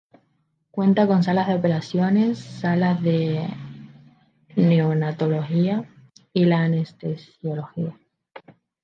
Cuenta con salas de operaciones, sala de neonatología y de anestesiología.